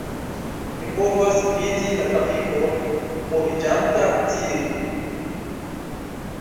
Mi povas vidi la trafikon moviĝanta tie